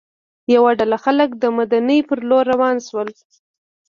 یوه ډله خلک د مدینې پر لور روان شول.